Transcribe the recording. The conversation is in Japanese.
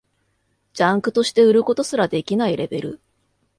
ジャンクとして売ることすらできないレベル